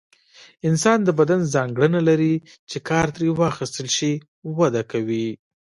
انسان د بدن ځانګړنه لري چې کار ترې واخیستل شي وده کوي.